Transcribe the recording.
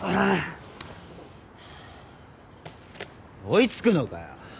追い付くのかよ。